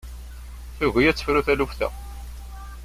Tugi ad tefru taluft-a.